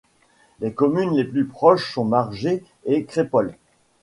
Les communes les plus proches sont Margès et Crépol.